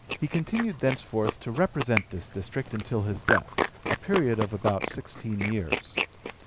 He continued thenceforth to represent this district until his death, a period of about sixteen years.